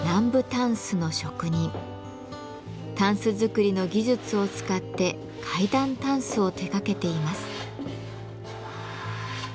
たんす作りの技術を使って階段たんすを手がけています。